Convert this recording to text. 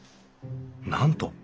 なんと！